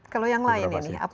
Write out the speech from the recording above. kalau yang lain ini